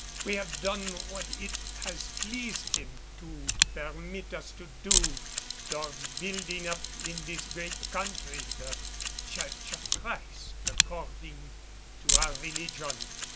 We have done what it has pleased Him to permit us to do toward building up in this great country the Church of Christ according to our religion.